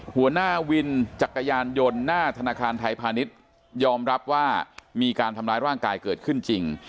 หัวหน้าวินจักรยานยนต์หน้าธนาคารไทยพาณิชย์ยอมรับว่ามีการทำร้ายร่างกายเกิดขึ้นจริง